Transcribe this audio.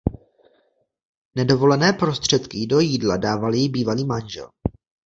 Nedovolené prostředky ji do jídla dával její bývalý manžel.